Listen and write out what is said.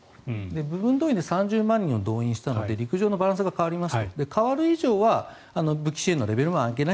部分動員で３０万人を動員したので陸上のバランスが変わりました。